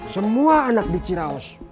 semua anak di ciraos